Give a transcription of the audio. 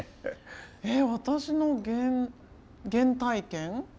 えっ私の原体験？